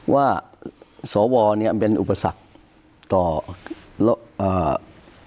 สวเนี่ยเป็นอุปสรรคต่ออ่า